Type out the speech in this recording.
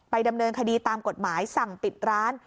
ดำเนินคดีตามกฎหมายสั่งปิดร้าน